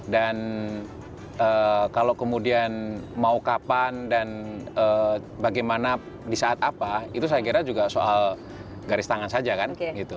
dan kalau kemudian mau kapan dan bagaimana di saat apa itu saya kira juga soal garis tangan saja kan